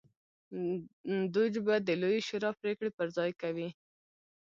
دوج به د لویې شورا پرېکړې پر ځای کوي